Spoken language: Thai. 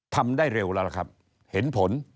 ทำได้เร็วแล้วล่ะครับเห็นผล